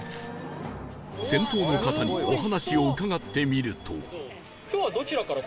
先頭の方にお話を伺ってみると